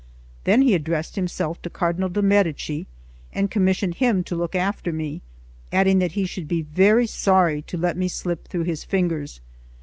Then he addressed himself to Cardinal de' Medici, and commissioned him to look after me, adding that he should be very sorry to let me slip through his fingers.